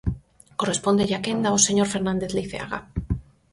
Correspóndelle a quenda ao señor Fernández Leiceaga.